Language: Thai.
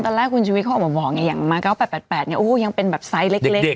ตอนแรกคุณธุวิกเขาบอกอย่างมะเก้าแบบ๋แป๊ตเนี่ยยังเป็นซายเล็ก